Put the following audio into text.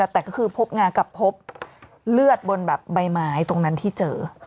แต่ก็คือพบงากับพบเลือดบนแบบใบไม้ตรงนั้นที่เจอ